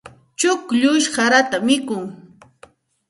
Chukllush sarata mikun.